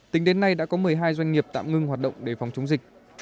tính đến nay đã có một mươi hai doanh nghiệp tạm ngưng hoạt động để phòng chống dịch